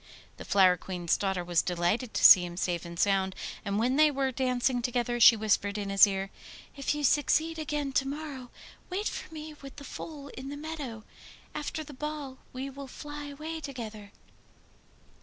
The Flower Queen's daughter was delighted to see him safe and sound, and when they were dancing together she whispered in his ear: 'If you succeed again to morrow, wait for me with the foal in the meadow. After the ball we will fly away together.